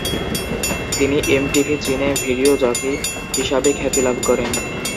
তিনি এমটিভি চীনে video jockey হিসাবে খ্যাতি লাভ করেন।